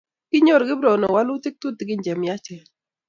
Kinyor Kiprono walutik tutikin che myachen